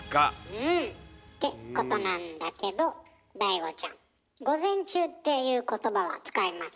うん。ってことなんだけどＤＡＩＧＯちゃん「午前中」っていう言葉は使いますね？